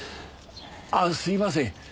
あっすいません。